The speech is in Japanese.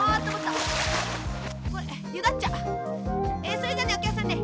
それじゃあねおきゃくさんね